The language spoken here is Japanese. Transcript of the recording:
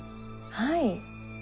はい。